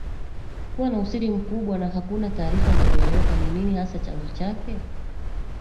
kuwa na usiri mkubwa na hakuna taarifa za kueleweka ni nini hasa chanzo chake